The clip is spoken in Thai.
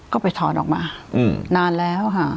ก็ไปถอดออกมานานแล้วค่ะ